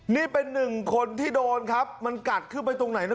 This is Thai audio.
นี่เป็นหนึ่งคนที่โดนครับมันกัดขึ้นไปตรงไหนนะ